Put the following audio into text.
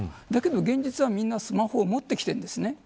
だけど現実は、みんなスマホ持ってきているんです。